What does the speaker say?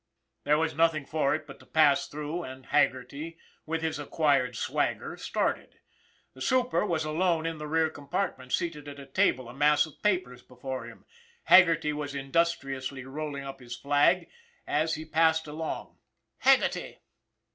There was nothing for it but to pass through and Haggerty, with his acquired swagger, started. The super was alone in the rear compartment, seated at a table, a mass of papers before him. Haggerty was in dustriously rolling up his flag as he passed along. "Haggerty!"